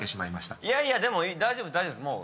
いやいやでも大丈夫大丈夫。